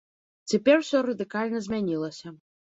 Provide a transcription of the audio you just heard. Цяпер усё радыкальна змянілася.